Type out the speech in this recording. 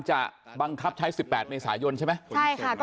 จะบังคับใช้สิบแปดเมษายนใช่ไหม